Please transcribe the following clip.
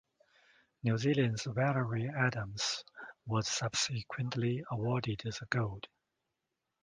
New Zealand's Valerie Adams was subsequently awarded the gold.